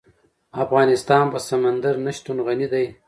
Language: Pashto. افغانستان په سمندر نه شتون غني دی.